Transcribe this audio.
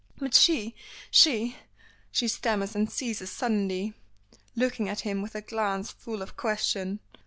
"But she she " she stammers and ceases suddenly, looking at him with a glance full of question.